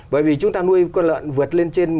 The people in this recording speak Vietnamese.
bởi vì chúng ta nuôi con lợn vượt lên trên